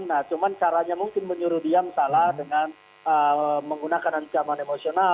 nah cuman caranya mungkin menyuruh diam salah dengan menggunakan ancaman emosional